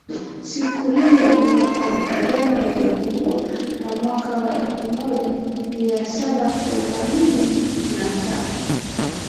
siku hiyo mapigano yalipungua na mwaka elfumoja miasaba themanini na tatu